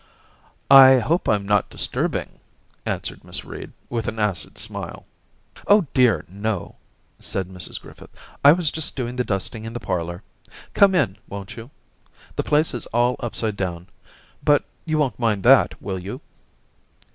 ' I hope I'm not disturbing,' answered xVIiss Reed, with an acid smile* ' Oh, dear no 1 ' said Mrs Griffith. ' I was just doing the dusting in the parlour. Come in, won't you? The place is all upside Daisy 22^ down, but you won't mind that, will you?'